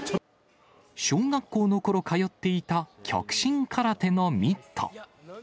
小学校のころ、通っていた極真空手のミット。